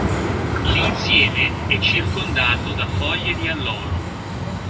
L'insieme è circondato da foglie di alloro.